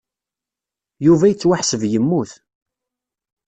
Yuba yettwaḥseb yemmut.